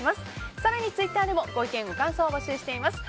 更にツイッターでもご意見、ご感想を募集しています。